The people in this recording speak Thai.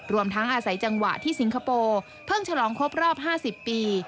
รวมทั้งอาศัยจังหวะที่สิงคโปร์เพิ่งฉลองครบรอบ๕๐ปี